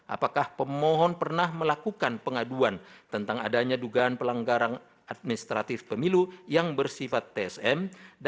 apakah pemohon pernah melakukan pengaduan tentang adanya dugaan pelanggaran administratif pemilu yang bersifat tsm